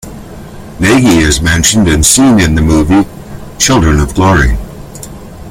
Nagy is mentioned and seen in the movie "Children of Glory".